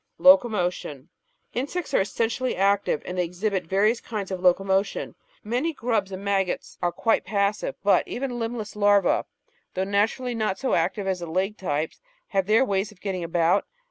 Locomotion Insects are essentially active, and they exhibit various kinds of locomotion. Many grubs and maggots are quite passive, but even limbless larvce, though naturally not so active as the legged types, have their ways of getting about.